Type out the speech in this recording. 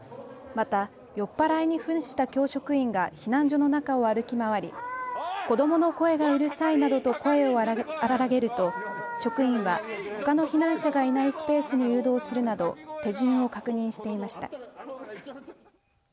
また酔っぱらいにふんした教職員が避難所の中を歩き回り子どもの声がうるさいなどと声を荒らげるなど職員のほかの避難者がいないスペースに誘導するなど手順を確認していました。